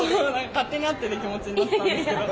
勝手に会っている気持ちだったですけど。